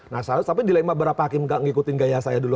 nah tapi di lain beberapa hakim tidak mengikuti gaya saya dulu